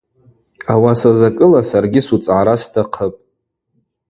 Ауаса закӏыла саргьи суцӏгӏара стахъыпӏ.